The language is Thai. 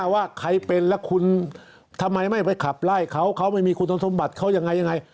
ว่าใครเป็นแล้วคุณทำไมไม่ไปขับไล่เขาเขาไม่มีคุณสมบัติเขายังไงยังไง